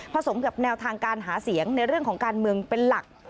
สมกับแนวทางการหาเสียงในเรื่องของการเมืองเป็นหลัก